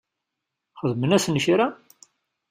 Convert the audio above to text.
Xedmen-asen kra?